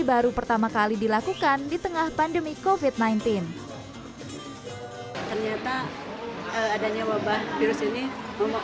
baru pertama kali dilakukan di tengah pandemi kofit sembilan belas ternyata adanya wabah virus ini